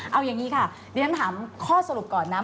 เอาอย่างนี้ค่ะดิฉันถามข้อสรุปก่อนนะ